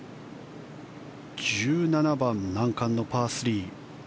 １７番、難関のパー３。